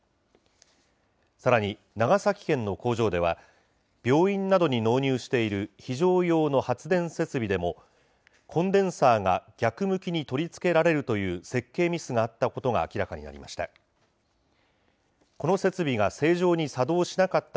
さらに長崎県の工場では、病院などに納入している非常用の発電設備でも、コンデンサーが逆向きに取り付けられるという設計ミスがあったことが明らかになりました。